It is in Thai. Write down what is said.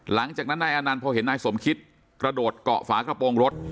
หลังจากนั้นนายอานันต์พอเห็นนายสมคิดกระโดดเกาะฝากระโปรงรถ